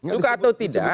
suka atau tidak